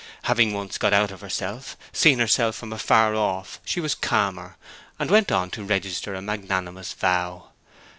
Having once got out of herself, seen herself from afar off, she was calmer, and went on to register a magnanimous vow.